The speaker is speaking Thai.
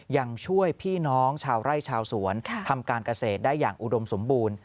ยังช่วยพี่น้องชาวไร่ชาวสวนทำการเกษตรได้อย่างอุดมสมบูรณ์